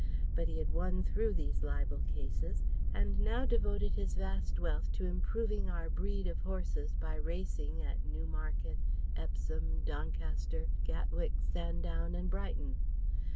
But he had won through these libel cases, and now devoted his vast wealth to improving our breed of horses by racing at Newmarket, Epsom, Doncaster, Gatwick, Sandown and Brighton.